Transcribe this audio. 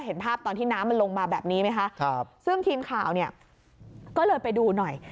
เห็นภาพตอนที่น้ำมันลงมาแบบนี้ไหมคะครับซึ่งทีมข่าวเนี่ยก็เลยไปดูหน่อย